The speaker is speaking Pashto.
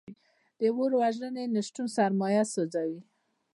د اور وژنې نشتون سرمایه سوځوي.